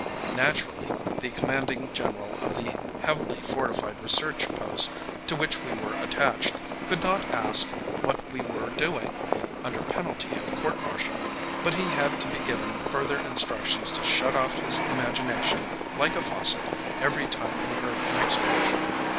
Naturally, the commanding general of the heavily fortified research post to which we were attached could not ask what we were doing, under penalty of court martial, but he had to be given further instructions to shut off his imagination like a faucet every time he heard an explosion.